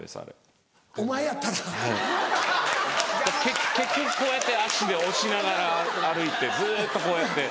結局こうやって足で押しながら歩いてずっとこうやって。